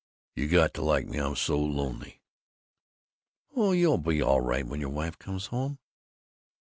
You got to like me! I'm so lonely!" "Oh, you'll be all right when your wife comes home."